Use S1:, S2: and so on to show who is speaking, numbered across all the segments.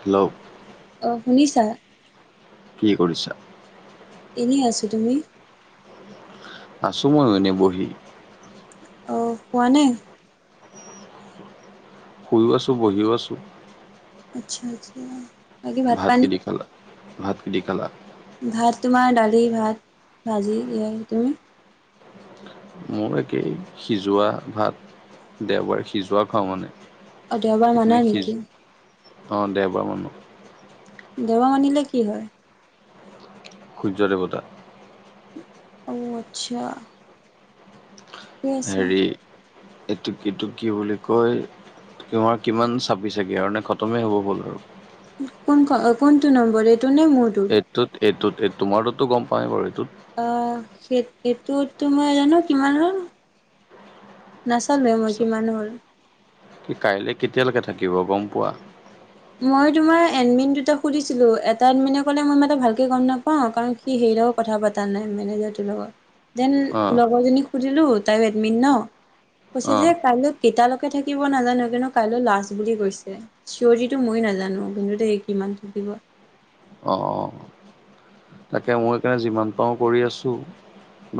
S1: Hello
S2: অ, শুনিছা?
S1: কি কৰিছা?
S2: এনেই আছোঁ, তুমি?
S1: আছোঁ মইও এনে বহি।
S2: অ, খোৱা নে?
S1: শুইও আছোঁ, বহিও আছোঁ।
S2: আচ্ছা, আচ্ছা। বাকী
S1: ভাত
S2: পানী
S1: দি খালা? ভাত দি খালা?
S2: ভাত তোমাৰ দালি, ভাত, ভাজি এয়াই তুমি?
S1: মোৰো একেই সিজোৱা ভাত, দেওবাৰে সিজোৱা খাওঁ মানে।
S2: অ দেওবাৰ মানা
S1: সেইখিনি সিজ,
S2: নেকি
S1: অ দেওবাৰ মান
S2: দেওবাৰ মানিলে কি হয়?
S1: সূৰ্য দেৱতা।
S2: অ, আচ্ছা। ঠিকে আছে
S1: হেৰি, এইটো কিটো কি বুলি কয়? তোমাৰ কিমান চাপি চেগে আৰু নে খতমেই হ'ব হ'ল আৰু?
S2: কোন খ, কোনটো নম্বৰ এইটো নে মোৰটো?
S1: এইটোত, এইটোত তোমাৰতো গম পাও বাৰু এইটোত?
S2: অ, সেইটোতো মই জানো কিমান হল? নাচালোৱে মই, কিমান হ'ল।
S1: কি কাইলৈ, কেতিয়ালৈকে থাকিব গম পোৱা?
S2: মই তোমাৰ এডমিন দুটাক সুধিছিলো, এটা এডমিনে ক'লে, মই ইমান এটা ভালকে গম নাপাওঁ কাৰণ সি হেৰিৰ লগত কথা পতা নাই মেনেজাৰটোৰ লগত, দেন
S1: অ
S2: লগৰজনী সুধিলো, তাইয়ো এডমিন ন। কৈছে
S1: অ
S2: যে, কাইলৈ কেতিয়ালৈকে থাকিব নাজানো, কিন্তু কাইলৈ লাষ্ট বুলি কৈছে চিঞৰ মই নাজানো, কিন্তু দেই কিমান থাকিব?
S1: অ', অ'। তাকে, মই সেইকাৰণে যিমান পাৰোঁ কৰি আছোঁ,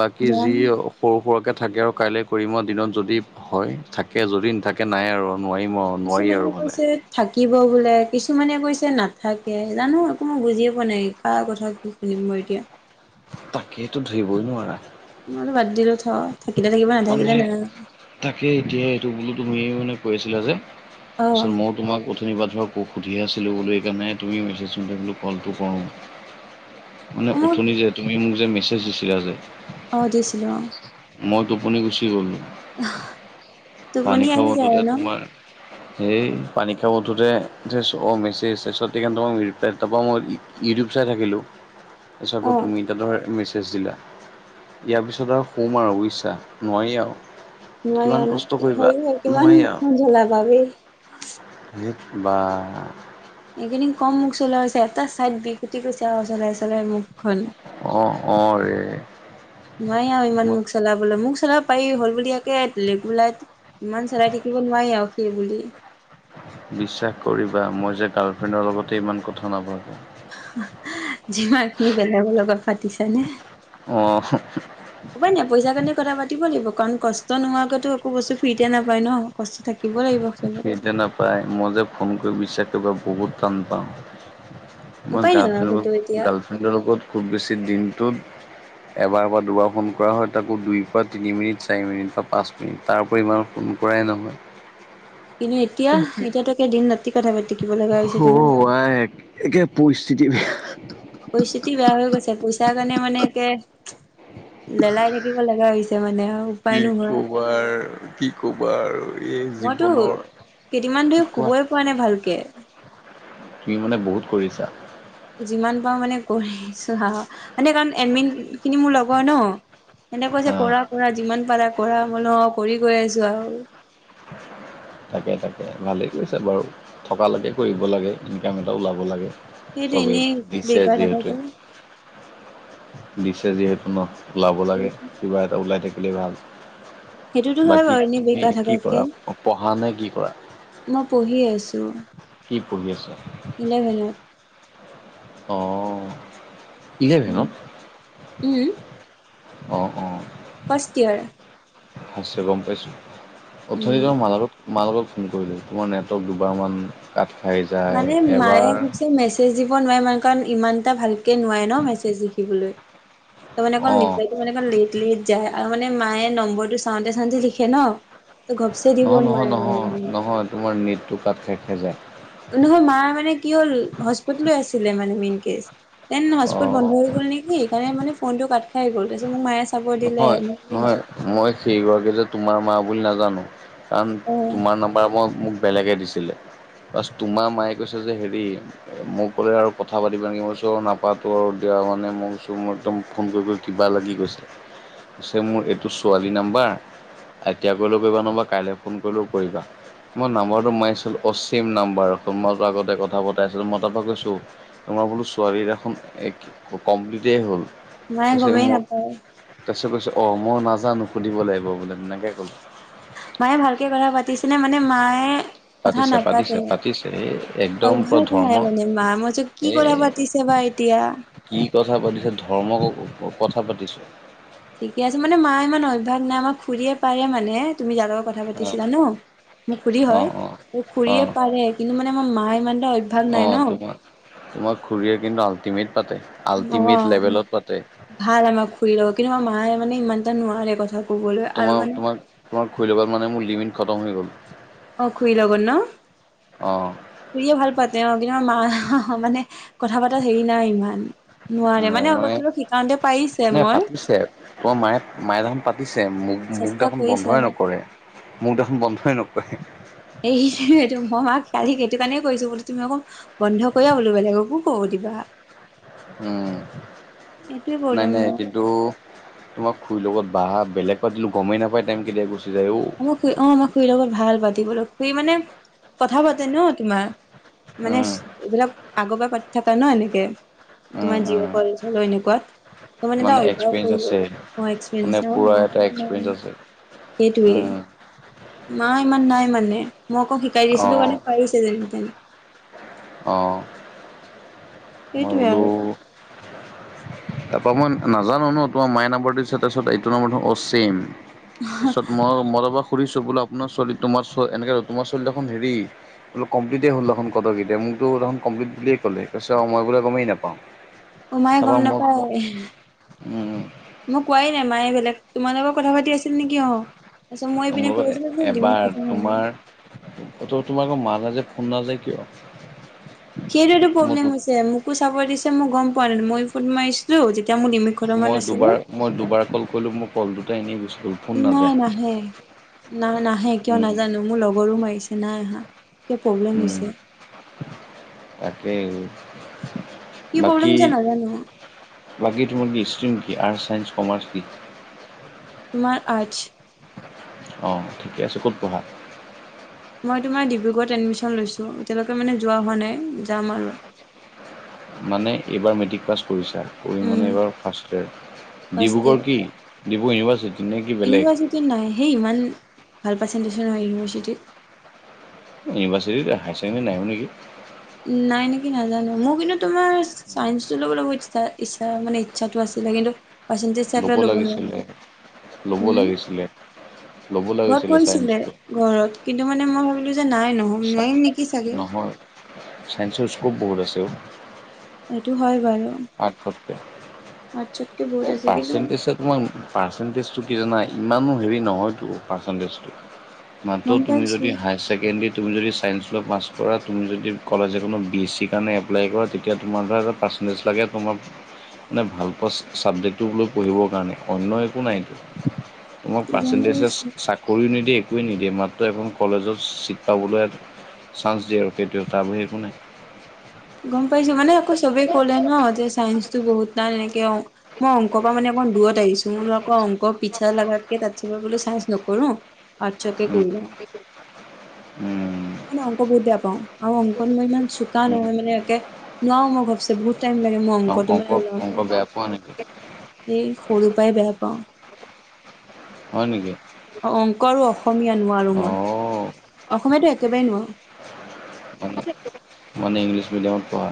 S1: বাকী যি
S2: জানো
S1: সৰু সুৰাকে থাকে আৰু কাইলৈ কৰিম মই দিনত যদি হয়, থাকে যদি নাথাকে নাই আৰু। নোৱাৰিম আৰু নোৱাৰি
S2: কিছুমানে
S1: আৰু মানে।
S2: কৈছে থাকিব বোলে কিছুমানে কৈছে নাথাকে জানো একো মই বুজিয়ে পোৱা নাই কাৰ কথা কি শুনিম মই এতিয়া।
S1: তাকেইেতো ধৰিবই নোৱাৰা।
S2: মই বাদ দিলো থ' থাকিলে থাকিব
S1: মানে
S2: নাথাকিলে না।
S1: তাকে এতিয়া এইটো বোলো তুমিয় মানে কৈ আছিলা যে
S2: অ
S1: তাৰপিছত মই তোমাক শুনিবা ধৰক ক'ক সুধি আছিলো বুলি এইকাৰণে তুমি মেছেজটোলো কলটো কৰোঁ। মানে
S2: মোক
S1: উঠনি যে তুমি মোক যে মেছেজ দিছিলা যে
S2: অ' দিছিলোঁ অ'।
S1: মই টোপনি গুচি গ'লোঁ।
S2: টোপনি আহি যায়
S1: উঠোতে
S2: আৰু ন'?
S1: তোমাৰ সেই পানী খা বঠোঁতে মেছেজ চছে সেইকাৰণই ইউৰিপ্লাই তাৰপৰা মই ইউটিউব চাই থাকিলোঁ।
S2: [inaudible]
S1: এই চবটো
S2: অ'
S1: তুমি তেদৰে মেছেজ দিলা, ইয়াৰ পিছত আৰু শুম আৰু বুজিছা, নোৱাৰি আৰু।
S2: মই
S1: কিমান
S2: এনে
S1: কষ্ট
S2: কি
S1: কৰিবা
S2: হয় কিমান
S1: নোৱাৰি
S2: জলা পাৰি।
S1: দেট বা।
S2: এইকেইদিন কম মুখ চলাইছে, এটা চাইদ বিকুটি গৈছে আৰু চলাই চলাই মুখখন।
S1: অ', অ' ৰে।
S2: নোৱাৰি আৰু ইমান
S1: মই
S2: মোক চলাবলৈ, মোক চলাব পাৰি হ'ল বুলি য়াকে লিক লাক। ইমান চলাই থাকিব নোৱাৰি আৰু সেই বুলি।
S1: বিশ্বাস কৰিবা মই যে গাৰ্লফ্ৰেণ্ডৰ লগতে ইমান কথা নাপাতো।
S2: যিমানখিনি বেলেগৰ লগত পাতিছানে।
S1: অ'।
S2: উপাই নাই পইচাৰ কাৰণে কথা পাতিব লাগিব কাৰণ কষ্ট নোহোৱাকৈ একো বস্তু ফ্ৰীতে নাপায় ন'? কষ্ট থাকিবই লাগিব। সেইবোৰত
S1: সেইটো নাপায়, মই যে ফোন কৰি বিশ্বাস কৰা বহুত টান পাওঁ। মই
S2: উপায় নাই আৰু সেইটো
S1: গাৰ্লফ্ৰেণ্ডৰত
S2: এতিয়া
S1: গাৰ্লফ্ৰেণ্ডৰ লগত খুব বেছি দিনটোত এবাৰ বা দুবাৰ ফোন কৰা হয়, তাকো দুইৰপৰা তিনি মিনিট, চাৰি মিনিট বা পাঁচ। তাৰপৰি ইমান ফোন কৰাই নহয়।
S2: কিন্তু এতিয়া এতিয়াতো একে দিন ৰাতি কথা পাতিব লগা হৈছে তোমাৰ।
S1: হয়। একে পৰিস্থিতি বেয়া।
S2: পৰিস্থিতি বেয়া হৈ গৈছে, পইচা কাৰণে মানে একে লেলাই থাকিব লগা হৈছে মানে। আৰু উপায়
S1: কি
S2: নোহোৱা
S1: ক'বাৰ কি ক'বা আৰু এই জীৱনৰ
S2: কেইদিনান ধৰি
S1: কোৱা
S2: শুবই পোৱা নাই ভালকে।
S1: তুমি মানে বহুত কৰিছা?
S2: যিমান পাৰোঁ মানে কৰিয়ে আছোঁ হা, মানে কাৰণ এডমিনখিনি মোৰ লগৰ ন'। সেহতে কৈছে
S1: হা
S2: কৰা কৰা যিমান পাৰা কৰা, মোলো কৰি গৈ আছো আৰু।
S1: তাকে তাকে ভালেই কৰিছা বাৰু, থকালৈকে কৰিব লাগে, ইনকাম এটা ওলাব লাগে।
S2: সেইটো
S1: চবেই
S2: এনেই
S1: দিছে
S2: বেকাৰ থাকাকে
S1: যিহেতু। দিছে যিহেতু ন' ওলাব লাগে, কিবা এটা ওলাই থাকিলে ভাল।
S2: সেইটোতো হয়
S1: বাকী
S2: বাৰু এনেই
S1: তুমি
S2: বেকাৰ
S1: কি
S2: থাকাতকে
S1: কৰা? পঢ়া নে কি কৰা?
S2: মই পঢ়িয়ে আছোঁ।
S1: কি পঢ়ি আছা?
S2: ইলেভেনত
S1: অঁ
S2: উম উম
S1: অঁ অঁ
S2: ফ্ষষ্টট ইয়ৰ
S1: আছে গম পাইছো অথনি
S2: উম
S1: তোমাৰ মান মা লগত ফোন কৰিলো তোমাৰ নেটৱৰ্ক দুবাৰ মান কাত খাই যায় এবাৰ
S2: মেজ দিব নোৱাৰে মানে কাৰণ ইমান এটা ভালকে নোৱাৰে ন মেছেজ লিখিবলৈ তাৰ মানে অকন
S1: অঁ
S2: মানে লেট লেট যায় আৰু মানে মায়ে নম্বৰটো চাওঁতে চাওঁতে লিখে ন তো ঘপচে দিব
S1: নহয় নহয়
S2: নোৱাৰে মানে
S1: নহয়
S2: মানে
S1: নহয় তোমাৰ নেটটো কাট খাই খাই যাই।
S2: নহয় মাৰ মানে কি হ'ল হস্পিতালায়েজ আছিলে মানে মেইন কেচ দেন হজ্পত
S1: অঁ
S2: বন্ধ হৈ গ'ল নেকি সেইকাৰণে মানে ফোনটো কাত খাই গল তাৰ পিছত মায়ে চাব দিলে
S1: নহয় নহয় মই সেইগৰাকী যে তোমাৰ মা বুলি নাজানো কাৰণ
S2: অ
S1: তোমাৰ নাম্বাৰ মই মোক বেলেগে দিছিলে বাছ তোমাৰ মায়ে কৈছে যে হেৰি মোক ক'লে আৰু কথা পাতিবা নেকি মই কৈছোঁ নাপাতো আৰু দিয়া মানে মই কৈছোঁ মোৰ একদম ফোন কৰি কৰি কিবা লাগি গৈছে। পিছে মোৰ এইটো ছোৱালী নাম্বাৰ এতিয়া কৰিলেও কৰিবা নবা কাইলে ফোন কৰিলেও কৰিবা। মই নাম্বাৰটো মাৰিছিলো অছেম নাম্বাৰ মইতো আগতে কথা পতাই আছিলো মই তাৰপৰা কৈছো তোমাৰ বোলো ছোৱালী দেখোন কমপ্লিতে হ'ল।
S2: মায়ে
S1: তাৰপিছত
S2: গমে
S1: মই
S2: নাপাই।
S1: তাৰপিছত কৈছো অ' মই নাজানো সুধিব লাগিব বোলে তেনেকে কলে।
S2: মায়ে ভালকে কথা পাতিছেনে মানে মায়ে কথা
S1: পাতিছে
S2: নাপাতে
S1: পাতিছে পাতিছে এই একদম পুৰা
S2: অভ্যাস
S1: ধৰ্ম
S2: নাই মানে মা মই বোলো কি
S1: এ
S2: কথা পাতিছে বা এতিয়া
S1: কি কথা পাতিছে ধৰ্মক কথা পাতিছোঁ।
S2: ঠিকে আছে মানে মা ইমান অভ্যাস নাই আমাৰ খুৰীয়ে পাৰে মানে তুমি যাৰ লগত কথা
S1: অ
S2: পাতিছিলা ন' মোক খুৰি
S1: অ
S2: হয়
S1: অ
S2: ত
S1: অ
S2: খুুৰয়ে পাৰে কিন্তু মানে আমাৰ মা ইমান এটা অভ্যাস
S1: অ
S2: নাই ন'
S1: তোমাৰ তোমাৰ খুৰীয়ে কিন্তু আল্টিমেট পাতে।
S2: অ'
S1: আল্টিমেট লেভেলত পাতে
S2: ভাল আমাৰ খুৰী লগত কিন্তু আমাৰ মায়ে মানে ইমান এটা নোৱাৰে কথাত
S1: তোমাৰ তোমাক তোমাক ঘূৰি ল'গত মানে মোৰ লিমিট খতম হৈ গ'ল
S2: অ, খুৰী লগত ন'
S1: অ'
S2: খুৰীয়ে ভাল পাতে অ, কিন্তু আমাৰ মা মানে কথা পতা হেৰি নাই ইমান নোৱাৰে মানে অলপ চলপ শিকাওঁটে পাৰিছে
S1: নাই
S2: মই
S1: পাতিছে তোমাৰ মায়ে মায়ে দেখোন পাতিছে মুখ মুখ
S2: চেষ্টা
S1: দেখোন
S2: কৰিছে
S1: বন্ধই
S2: আৰু
S1: নকৰে। মুখ দেখোন বন্ধই নকৰে।
S2: এই এইেইটো মই মাক কালী সেইটো কাৰণেই কৰিছো বোলো তুমি অকৌ বন্ধ কৰিয় বোলো বেলেগকো ক'ব দিবা।
S1: উম,
S2: এইটোৱে
S1: নাই
S2: প্ৰব্লেম
S1: নাই
S2: মোৰ।
S1: কিন্তু তোমাৰ খুৰীৰ লগত বাহ বেলেগ পাটিলো গমেই নাপায় টাইম কেতিয়া গুচি যায়ঔ
S2: আমাক খুৰী অ, আমাক খুুৰীৰ লগত ভাল পাতিবলৈ খুৰী মানে কথা পাতে ন তোমাৰ মানে
S1: উম
S2: এইবিলাক আগৰ পৰা পাতি থাকা ন' এনেকে
S1: উম
S2: তোমাৰ
S1: উম
S2: জিঅ' ক'ল চ'ল এনেকুৱাত। ত মানে এটা অভ্যাস
S1: এক্সপিৰিয়েঞ্চ
S2: হৈ গ'ল
S1: আছে
S2: অঁ, এক্সপেৰিয়েন্স
S1: মানে
S2: হিচাপত
S1: পুৰা
S2: মাৰ
S1: এটা
S2: ইমান
S1: এক্সপিৰিয়েঞ্চ
S2: নাই।
S1: আছে
S2: সেইটোৱেই।
S1: উম
S2: মা ইমান নাই মানে মই আকৌ শিকাই দিছিলো মানে
S1: অ'
S2: পাৰিছে যেন তেনে।
S1: অ, মই
S2: সেইটোৱে
S1: বোলো
S2: আৰু।
S1: তাৰপা মই নাজানো ন' তোমাৰ মায়ে নাম্বৰটো দিছে তাৰপিছত এইটো নাম্বৰটো অ, ছেম। তাৰপিছত মই মই তাৰপা সুধিছোঁ বোলো আপোনাৰ ছোৱালী তোমাৰ এনেক তোমাৰ ছোৱালী দেখোন হেৰি বোলো কম্পিলটেই হ'ল দেখোন কত কেতিয়াবাই মোকতো দেখোন কমপ্লিট বুলিয়ে ক'লে কছে মই বোলে গমেই নাপাওঁ।
S2: অঁ, মায়ে গম
S1: তাৰপৰা মোৰ
S2: নাপায়। মোক কোৱাই নাই মায়ে বেলেগ তোমাৰ লগত কথা পাতি আছিল নেকি অ', তাৰপিছত মই
S1: মোৰ
S2: ইপিনে কৈ আছিলো যে লিমিট খটম হ'ব
S1: তোমালোকৰ মা লেযে ফ'ন নাযায় কিয়?
S2: সেইটো
S1: মই
S2: প্ৰব্লেম হৈছে মোকো চাব দিছে মই গম পোৱা নাই মই ফোন মাৰিছিলো যেতিয়া মোৰ নিমিখ
S1: মই
S2: ঘমমান নাছিলে,
S1: দুবাৰ মই দুবাৰ কল কৰিলো মোৰ কলটা এনেই গৈচি গ'ল। ফোন
S2: নাই
S1: নাযায়
S2: নাহে নাই নাহে কিয়
S1: উম
S2: নাজানো মোৰ লগৰো মাৰিছে নাই অহ।
S1: উম, তাকেই।
S2: কি প্ৰব্লেম
S1: বাকী
S2: হৈছে নাজানো
S1: লাগি তোম কি ষ্ট্ৰ্ম কি আৰ্ট ছাইেন্ঞ্চ কমাৰ্চ কি?
S2: তোমাৰ আৰ্টছ।
S1: অ, ঠিকে আছে, ক'ত পঢ়া?
S2: মই তোমাৰ ডিব্ৰুগড়ত এডমিশ্যন লৈছোঁ এতিয়ালৈকে মানে যোৱা হোৱা নাই যাম আৰু।
S1: মানে এইবাৰ মেট্ৰিক পাছ কৰিছা? পৰিানে
S2: উম
S1: এইবাৰ first year
S2: first
S1: Dibrugarh
S2: year
S1: কি ডিব্ৰুগ ইউনিভাৰ্চিটি? নে কি বেলেগ
S2: ইউনিভাৰ্চিটিত নাইয় সেই ইমান ভাল পাৰ্চেণ্টেজৰ নহয় ইউনিভাৰ্চিটিত।
S1: ইউনিভাৰ্চিট [inaudible] নেকি?
S2: নাই নেকি নাজানো মোৰ কিন্তু তোমাৰ চাইসটো ল'বলৈ মুত ই্ছ ইচ্ছা মানে ইচ্ছাটো আছিলে কিন্তু, পাচণ্টজ চেপেল ল'ব নোৱাৰিলোঁ,
S1: ল'ব
S2: উম।
S1: লাগিছিলে ল'ব
S2: ঘৰত
S1: লাগিছিলে
S2: কৰিছিলে
S1: ছাইন্সটো
S2: ঘৰত কিন্তু মানে মই ভাবিলো যে নাই নহ নোৱাৰিম নেকি চাগে।
S1: চাইন্সৰ স্ক'প বহুত আছে অ,
S2: সেইটো হয় বাৰু।
S1: [inaudible]
S2: আচ্ছা
S1: [inaudible] তোমাক পাৰ্চেণ্টেজটো কি জানা ইমানো হেৰি নহয়তো পাৰ্চেণ্টেজটো, মাত্ৰ
S2: গম
S1: তুমি
S2: পাইছো
S1: যদি হায়াৰ ছেকেণ্ডেৰীত তুমি যদি ছাইন্স লৈ পাছ কৰা তুমি যদি কলেজে কোনো বি এছ চিৰ কাৰণে এপ্লাই কৰা তেতিয়া তোমাৰ ধৰা এটা পাছ [inaudible] তোমাক মানে ভাল পোৱা [inaudible] কৰি নিদিয়ে একোৱে নিদিয়ে মাত্ৰ
S2: গম
S1: এখন
S2: পাইছো
S1: কলেজত চিট পাবলৈ চান্স দিয়ে আৰু কেতিয়া তাৰ ব একো নাই।
S2: গম পাইছো মানে আকৌ চবেই কলে ন যে চাইন্সো বহুত নাই এনেকে মই অংকৰ প পৰা মানে অকণ দূৰত আহিছো মোৰ আকৌ অংক পিঠা লগাক কে তাতা বোলে চাইন্ঞ্চ নকৰো আৰ্টছকে
S1: উম,
S2: কৰি লওঁ।
S1: উম,
S2: ম নাই অংক বহুত বেয়া পাও আৰু অংকন মই ইমান চোকা
S1: উম।
S2: নহয় নও মই ভাবছে বহুত টাইম লাগে মই
S1: অ'
S2: অংকটো
S1: অংক
S2: মানে
S1: অংক
S2: ওলাওতে।
S1: বেয়া পোৱা নেকি?
S2: এই সৰুৰ পৰাই বেয়া পাওঁ।
S1: হয় নেকি?
S2: অ অংক আৰু অসমীয়া নোৱাৰোঁ মই
S1: অ'
S2: অসমীয়াতটো একেবাৰে নোৱাৰোঁ।
S1: মানে ইংলিছ মিডিয়ামত পঢ়া?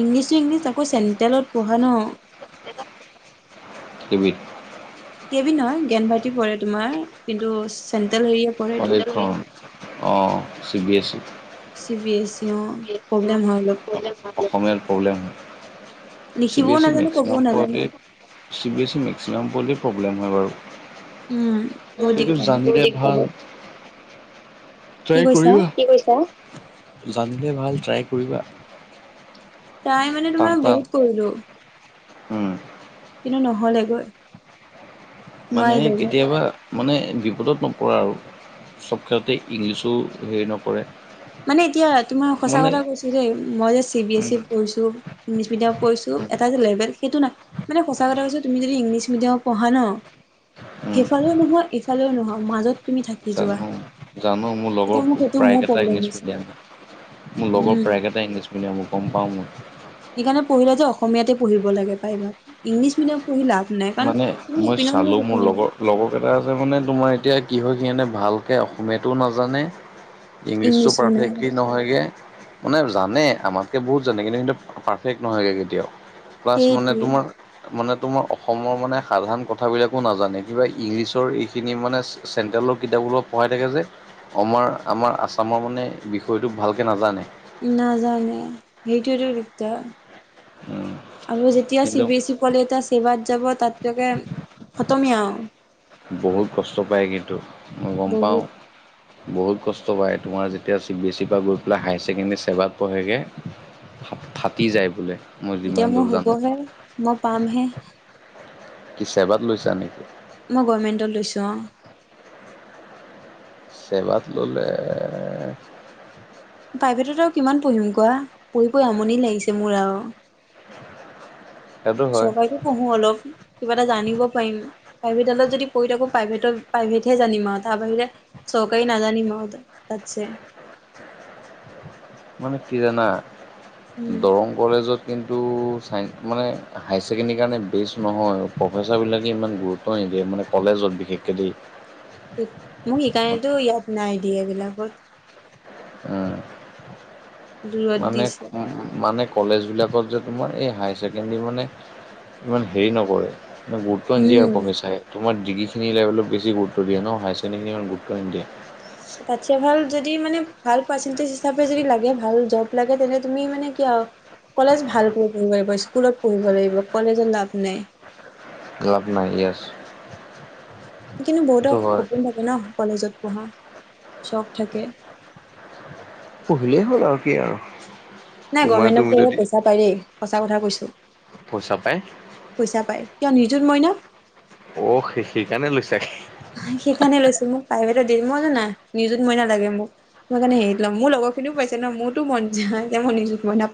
S2: ইংলিছো ইংলিছ আকৌ চেণ্ট্ৰেলত পঢ়া ন।
S1: [inaudible]
S2: কেবি নহয় জ্ঞান ভাৰটি পৰে তোমাৰ কিন্তু, চেন্ট্ৰেল হেৰিয়ে পৰে এইটো
S1: কলেজ অ C B S E?
S2: C B S
S1: অসমীয়াৰ প্ৰব্লেম চি বি
S2: লিখিবও
S1: এছ ই
S2: নাজানো ক'বও
S1: মেক্সিমাম
S2: নাজানো
S1: পোৱাল চিব বি এছ ই মেক্সিমাম পোৱালই প্ৰব্লেম হয় বাৰু।
S2: উম।
S1: উম,
S2: বহুত
S1: এইটো
S2: দিগদাৰ হয়
S1: জানিলে ভাল।
S2: কি
S1: টাই
S2: কৈছা
S1: কৰিবা। কি কৈছা? জানিলে ভাল ট্ৰাই কৰিবা।
S2: ট্ৰাই মানে
S1: টান
S2: তোমাৰ
S1: টান
S2: বহুত কৰিলোঁ।
S1: উম।
S2: কিন্তু নহ'লে গৈ।
S1: মানে কেতিয়াবা মানে বিপদত নপৰা আৰু চব ক্ষেত্ৰতে ইংলিছো হেৰি নকৰে।
S2: মানে এতিয়া তোমাৰ সঁচা
S1: মানে
S2: কথা কৈছো যে, মই যে C B S
S1: um
S2: E পঢ়িছোঁ। ইংলিছ মিডিয়াম পঢ়িছো
S1: উম।
S2: এটা যে লেভেল সেইটো না মানে সঁচা কথা কৈছ তুমি যদি ইংলিছ মিডিয়ামত পঢ়া ন'।
S1: উম,
S2: সেইফালেও নহয় এইফালেও নহয় মাজত তুমি থাকি যোৱা।
S1: জানো
S2: এতিয়া মোক ত' মোৰ প্ৰব্লেম হৈছে।
S1: এতিয়া মোৰ লগৰ
S2: উম
S1: প্ৰায়কেইটাাই ইংলিছ মিডিয়ামৰ গম পাওঁ মই।
S2: সেইকাৰণে পঢ়িলে যে অসমীয়াতে পঢ়িব লাগে প্ৰায় ইমান ইংলিছ মিডিয়াম পঢ়ি লাভ নাই কাৰণ,
S1: মানে
S2: তোমাৰ
S1: মই
S2: ইপিনেও নহয়
S1: চালোঁ মোৰ
S2: সিপিনেও নহয়।
S1: লগৰ লগৰকেইটা আছে মানে তোমাৰ এতিয়া কি হয় সিহঁতে ভালকে অসমীয়াটো নাজানে ইংলিছটো
S2: ইংলিছো নাই
S1: পাৰফেক্টলি নহয়গে। মানে জানে আমাতকে বহুত জানে কিন্তু সেহন্তৰ পাৰফেক্ট নহয়গে কেতিয়াও। ক্লাছ মানে
S2: সেইটোৱে
S1: তোমাৰ মানে তোমা অসমৰ মানে সাধাৰণ কথাবিলাকো নাজানে কিবা ইংলিছৰ এইখিনি মানে চেণ্ট্ৰেলৰ কিতাপ অলপ পঢ়াই থাকে যে আমাৰ-আমাৰ আছামৰ মানে বিষয়টো ভালকৈ নাজানে।
S2: নাজানে সেইটোৱেতো দিগদাৰ
S1: উম
S2: আৰু যেতিয়া
S1: কিন্তু
S2: চি বি এছ ই কলে এতিয়া চিবাত যাব তাতলৈকে খতমেই আৰু।
S1: বহুত কষ্ট পায় কিন্তু মই গম পাওঁ।
S2: [unintelligible]
S1: বহুত কষ্ট পায় তোমাৰ যেতিয়া চিব বি এছ ই ৰ পৰা গৈ পেলাই হায়াৰ ছেকেণ্ডেৰী চেবাত পঢ়েগে। ফা-ফাটি যায় বোলে। মই যিমান
S2: এতিয়া মোৰ
S1: দূৰ জানো
S2: হ'বহে, মই পামহে।
S1: কি চেবাত লৈছা নেকি?
S2: মই গভমেণ্টত লৈছোঁ অহ।
S1: চেবাত ল'লে
S2: প্ৰাইভেটত আৰু কিমান পঢ়িম কোৱা পঢ়ি-পঢি আমনি লাগিছে মোৰ আৰু।
S1: [unintelligible]
S2: চৰকাৰীকো পঢ়ো অলপ কিবা এটা জানিব পাৰিম। প্ৰাইভেটডালত যদি পঢ়ি থাকো প্ৰাইভেটৰ, প্ৰাইভেটহে জানিম আৰু তাৰ বাহিৰে চৰকাৰী নাজানিম তাত, তাত যে
S1: মানে কি জানা
S2: উম
S1: দৰং কলেজত কিন্তু চাই মানে হায়াৰ ছেকেণ্ডেৰী কাৰণে বেচ নহয়, প্ৰফেচাৰবিলাকেই ইমান গুৰুত্ব নিদিয়ে মানে কলেজত বিশেষকে দেই্
S2: মোক সেইকাৰণেতো ইয়াত নাই দিয়া এইবিলাকত।
S1: উম,
S2: দূৰত
S1: মানে।
S2: দিছে
S1: মানে কলেজবিলাকত যে তোমাৰ এই হায়াৰ ছেকেণ্ডেৰী মানে ইমান হেৰি নকৰে। ন' গুৰুত্ব নিদিয়ে
S2: উম
S1: প্ৰফেছাৰে। তোমাৰ ড্ৰিগ্ৰী-চিগ্ৰীবিলাক অলপ বেছি গুৰুত্ব দিয়ে ন' হায়ৰ চেকেণ্ডেৰীখিনি ইমান গুৰুত্ব নিদিয়ে।
S2: তাতছে ভাল যদি মানে ভাল পাৰ্চেটেজ হিচাপে যদি লাগে, ভাল জব লাগে, তেন্তে তুমি মানে কি আৰু। কলেজ ভালকৈ পঢ়িব লাগিব স্কুলত পঢ়িব লাগিব, কলেজত লাভ নাই।
S1: লাভ নাই ইয়েছ।
S2: কিন্তু বহুতৰ সপোন থাকে ন' কলেজত পঢ়া চখ থাকে।
S1: পঢ়িলেই হ'ল আৰু কি আৰু।
S2: নাই
S1: তোমাৰ
S2: গভমেণ্টত
S1: তুমি
S2: কৰিলে
S1: যদি
S2: পইচা পাই দেই সঁচা কথা কৈছোঁ।
S1: পইচা পায়?
S2: পইচা পায়, কিয় নিজুত মইনা।
S1: অ' সে-সেইকাৰণে লৈছা?
S2: সেইখণে লৈছোঁ, মোক প্ৰাইভেট দ মই জানা নিজুত মইনা লাগে মোক। মই কাৰণে হেৰিত লম। মোৰ লগৰখিনিও পাইছে ন' মোৰতো মন যায় যে মই নিজুত মইনা